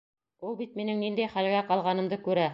Ул бит минең ниндәй хәлгә ҡалғанымды күрә!